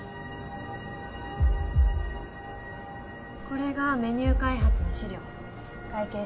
これがメニュー開発の資料会計